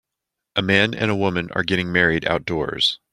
A man and a woman are getting married outdoors.